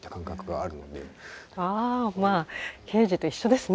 ああわあケージと一緒ですね。